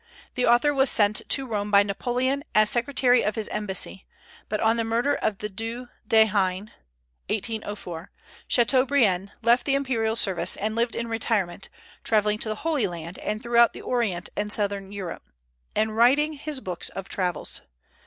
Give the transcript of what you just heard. The author was sent to Rome by Napoleon as secretary of his embassy; but on the murder of the Due d'Enghien (1804), Chateaubriand left the imperial service, and lived in retirement, travelling to the Holy Land and throughout the Orient and Southern Europe, and writing his books of travels.